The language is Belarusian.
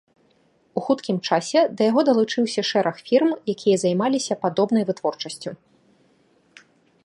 У хуткім часе да яго далучыўся шэраг фірм, якія займаліся падобнай вытворчасцю.